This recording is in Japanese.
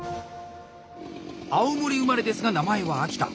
青森生まれですが名前は秋田。